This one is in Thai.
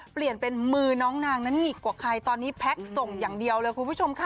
เปลี่ยนเป็นมือน้องนางนั้นหงิกกว่าใครตอนนี้แพ็คส่งอย่างเดียวเลยคุณผู้ชมค่ะ